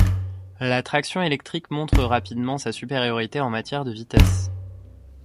La traction électrique montre rapidement sa supériorité en matière de vitesse.